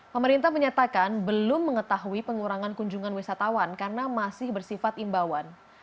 pemerintah menyatakan belum mengetahui pengurangan kunjungan wisatawan karena masih bersifat imbauan